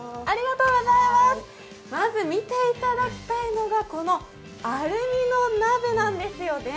まず、見ていただきたいのがアルミの鍋なんです。